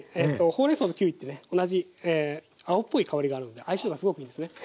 ほうれんそうとキウイってね同じ青っぽい香りがあるんで相性がすごくいいんですね。